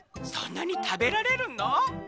「そんなにたべられるの？」。